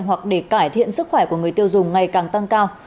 hoặc để cải thiện sức khỏe của người tiêu dùng ngày càng tăng cao